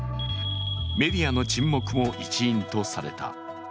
メディアの沈黙も一因とされた。